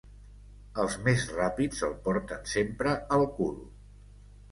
Els més ràpids el porten sempre al cul.